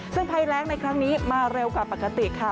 ซึ่งภัยแรงในครั้งนี้มาเร็วกว่าปกติค่ะ